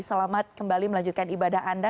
selamat kembali melanjutkan ibadah anda